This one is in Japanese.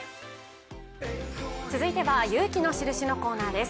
続いては「勇気のシルシ」のコーナーです。